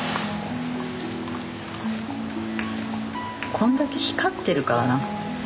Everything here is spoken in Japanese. こんだけ光ってるからな。